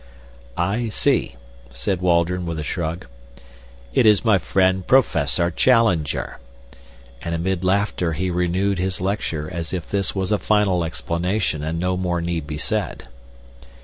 "I see!" said Waldron, with a shrug. "It is my friend Professor Challenger," and amid laughter he renewed his lecture as if this was a final explanation and no more need be said.